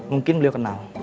mungkin beliau kenal